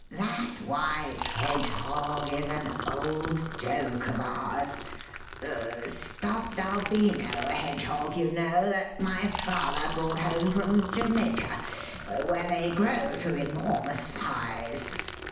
That white hedgehog is an old joke of ours; stuffed albino hedgehog, you know, that my father brought home from Jamaica, where they grow to enormous size.